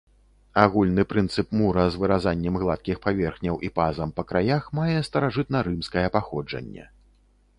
Агульны прынцып мура з выразаннем гладкіх паверхняў і пазам па краях мае старажытнарымскае паходжанне.